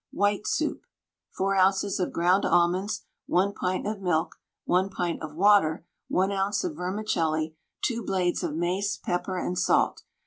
WHITE SOUP. 4 oz. of ground almonds, 1 pint of milk, 1 pint of water, 1 oz. of vermicelli, 2 blades of mace, pepper and salt.